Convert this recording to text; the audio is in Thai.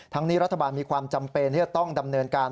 นี้รัฐบาลมีความจำเป็นที่จะต้องดำเนินการ